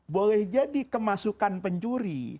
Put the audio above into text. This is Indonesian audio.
boleh jadi kemasukan pencuri